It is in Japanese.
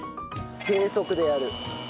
低速でやる。